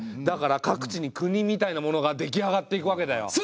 だから各地に国みたいなものが出来上がっていくわけだよ。